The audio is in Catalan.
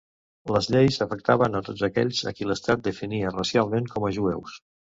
Les lleis afectaven a tots aquells a qui l'Estat definia racialment com a jueus.